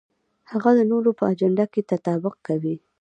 هغه د نورو په اجنډا کې تطابق کوي.